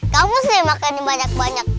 kamu sih makannya banyak banyak